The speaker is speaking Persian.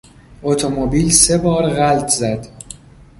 اتومبیل سه بار غلت زد.